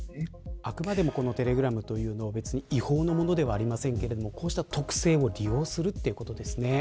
あくまでもこのテレグラムというのは別に違法なものではありませんけれどもこうした特性を利用するということですね。